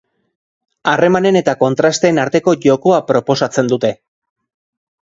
Harremanen eta kontrasteen arteko jokoa proposatzen dute.